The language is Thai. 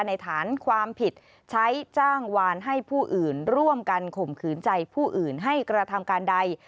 ฐานความผิดใช้จ้างวานให้ผู้อื่นร่วมกันข่มขืนใจผู้อื่นให้กระทำการใด